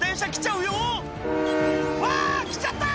うわ来ちゃった！